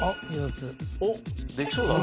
おっできそうだな